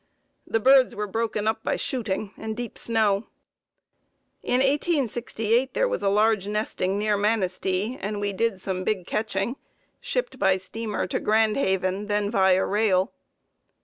The birds were broken up by shooting and deep snow. In 1868 there was a large nesting near Manistee, and we did some big catching, shipped by steamer to Grand Haven, then via rail.